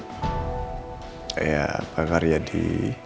pada apa eya pak karyadi